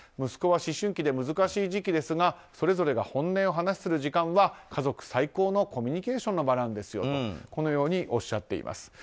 息子は思春期で難しい時期ですがそれぞれが本音で話をする時間は家族最高のコミュニケーションの場なんだとおっしゃっています。